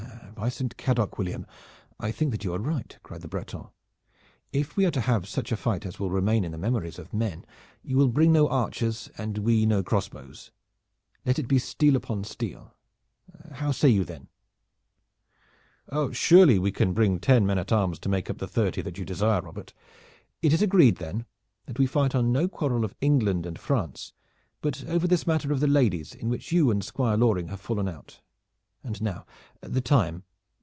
"By Saint Cadoc, William, I think that you are right," cried the Breton. "If we are to have such a fight as will remain in the memories of men, you will bring no archers and we no crossbows. Let it be steel upon steel. How say you then?" "Surely we can bring ten men at arms to make up the thirty that you desire, Robert. It is agreed then that we fight on no quarrel of England and France, but over this matter of the ladies in which you and Squire Loring have fallen out. And now the time?"